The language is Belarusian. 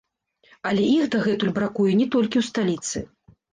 Але іх дагэтуль бракуе не толькі ў сталіцы.